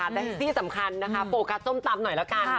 แต่ที่สำคัญนะคะโฟกัสส้มตำหน่อยละกัน